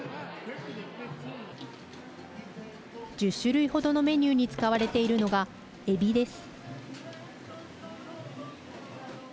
１０種類程のメニューに使われているのがえびです。